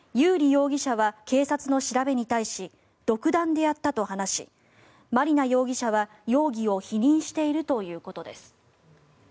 容疑者は警察の調べに対し独断でやったと話し麻里奈容疑者は容疑を否認しているということです。